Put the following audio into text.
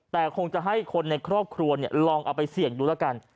แต่คงจะให้คนในครอบครัวลองเอาไปเสี่ยงดูแล้วกัน